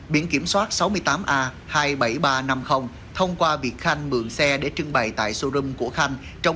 biển kiểm soát sáu mươi tám a hai mươi bảy nghìn ba trăm năm mươi thông qua việc khanh mượn xe để trưng bày tại showroom của khanh trong